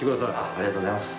ありがとうございます。